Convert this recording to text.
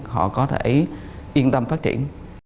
họ có thể yên tâm phát triển